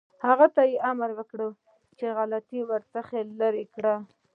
هغه ته یې امر وکړ چې غلطۍ ورڅخه لرې کړي.